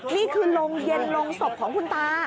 นี่คือโรงเย็นลงศพของคุณตา